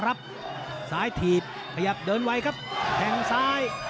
หรือว่าผู้สุดท้ายมีสิงคลอยวิทยาหมูสะพานใหม่